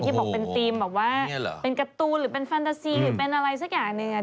บอกเป็นธีมแบบว่าเป็นการ์ตูนหรือเป็นแฟนตาซีหรือเป็นอะไรสักอย่างหนึ่ง